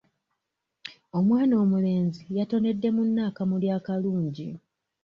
Omwana omulenzi yatonedde munne akamuli akalungi.